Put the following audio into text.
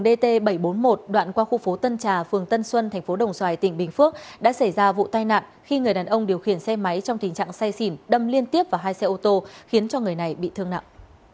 vào chiều nay trên đường dt bảy trăm bốn mươi một đoạn qua khu phố tân trà phường tân xuân thành phố đồng xoài tỉnh bình phước đã xảy ra vụ tai nạn khi người đàn ông điều khiển xe máy trong tình trạng say xỉn đâm liên tiếp vào hai xe ô tô khiến cho người này bị thương nặng